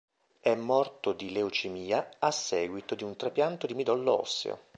È morto di leucemia a seguito di un trapianto di midollo osseo.